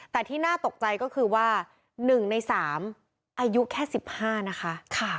แต่ที่น่าตกใจก็คือว่า๑ใน๓อายุแค่๑๕นะคะ